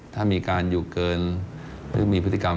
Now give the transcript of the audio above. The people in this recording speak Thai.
ถ้ามีการอยู่เกินหรือมีพฤติกรรม